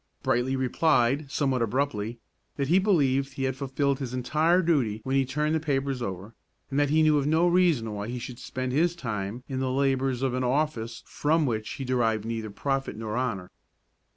Brightly replied, somewhat abruptly, that he believed he had fulfilled his entire duty when he turned the papers over, and that he knew of no reason why he should spend his time in the labors of an office from which he derived neither profit nor honor.